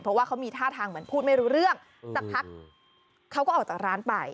เพราะว่าเขามีท่าทางเหมือนพูดไม่รู้เรื่องสักพักเขาก็ออกจากร้านไป